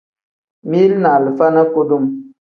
Mili ni alifa ni kudum.